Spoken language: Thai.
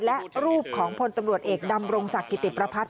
และรูปของพลตำรวจเอกดำรงศักดิ์กิติประพัทธ